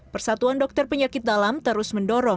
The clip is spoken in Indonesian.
persatuan dokter penyakit dalam terus mendorong